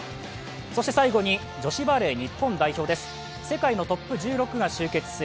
そして最後に女子バレー日本代表です。